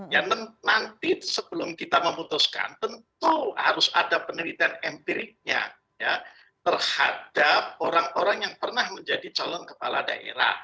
yang nanti sebelum kita memutuskan tentu harus ada penelitian empiriknya terhadap orang orang yang pernah menjadi calon kepala daerah